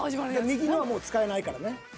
右のはもう使えないからね。